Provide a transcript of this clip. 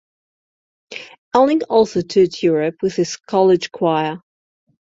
Elling also toured Europe with his college choir.